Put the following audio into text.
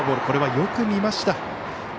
これは、よく見ました。